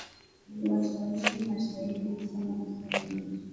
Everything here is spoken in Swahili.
washawishi mashahidi kusema kile ambacho